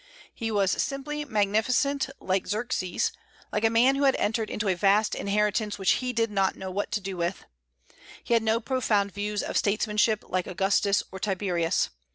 He was simply magnificent, like Xerxes, like a man who had entered into a vast inheritance which he did not know what to do with. He had no profound views of statesmanship, like Augustus or Tiberius.